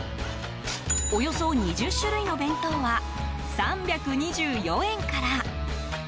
およそ２０種類の弁当は３２４円から。